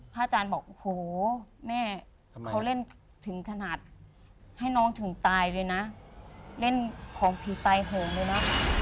อาจารย์บอกโอ้โหแม่เขาเล่นถึงขนาดให้น้องถึงตายเลยนะเล่นของผีตายโหงเลยนะ